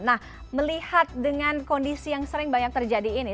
nah melihat dengan kondisi yang sering banyak terjadi ini